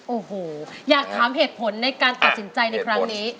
โอ้โหอยากถามเหตุผลในการตัดสินใจในครั้งนี้